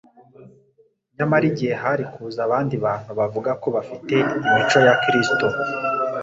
nyamara igihe hari kuza abandi bantu bavuga ko bafite imico ya Kristo